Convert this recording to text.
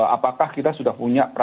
apakah kita sudah punya